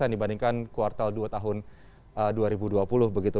dibandingkan kuartal dua tahun dua ribu dua puluh begitu